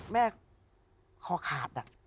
แม่คอขาดอะ